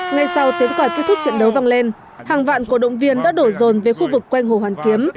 ngay sau tiếng còi kết thúc trận đấu văng lên hàng vạn cổ động viên đã đổ rồn về khu vực quanh hồ hoàn kiếm